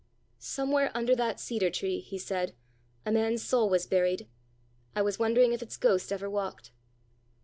"Somewhere under that cedar tree," he said, "a man's soul was buried. I was wondering if its ghost ever walked!"